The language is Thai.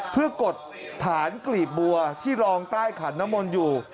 เพื่อกดฐานกลีบบัวที่รองใต้ขันนมลอยู่